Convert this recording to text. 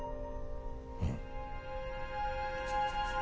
うん。